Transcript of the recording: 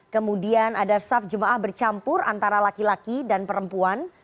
kemudian ada saf jemaah bercampur antara laki laki dan perempuan